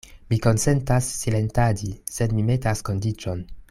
Mi konsentas silentadi; sed mi metas kondiĉon.